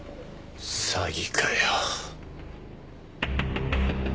詐欺かよ。